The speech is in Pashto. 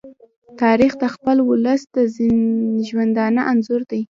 تاریخ د خپل ولس د ژوندانه انځور دی.